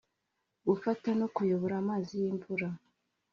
gufata no kuyobora amazi y’imvura